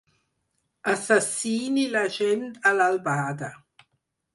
Assassini la gent a l'albada.